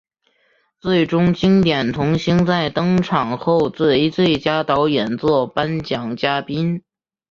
最终经典童星在登场后为最佳导演作颁奖嘉宾。